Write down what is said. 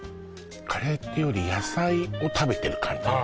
カレーっていうより野菜を食べてる感じああ